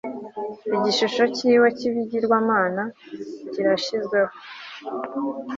Igishusho ciwe cibigirwamana kirashizweho